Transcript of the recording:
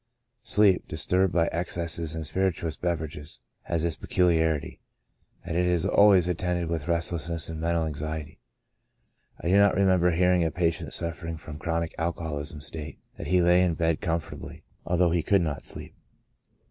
Sleep, disturbed by excesses in spirituous beverages, has this peculiarity, that it is always attended with restlessness and mental anxiety. I do not remember hearing a patient suffering from chronic alcohol ism state that he lay in bed comfortably, although he could 126 CHRONIC ALCOHOLISM. not sleep.